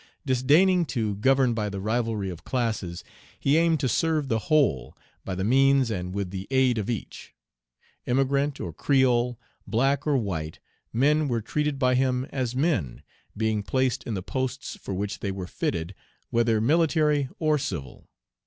Disdaining to govern by the rivalry of classes, he aimed to serve the whole, by the means and with the aid of each. Emigrant or creole, black or white, men were treated by him as men, being placed in the posts for which they were fitted, whether military or civil.